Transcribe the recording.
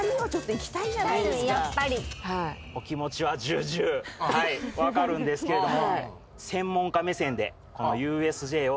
お気持ちは重々分かるんですけれども。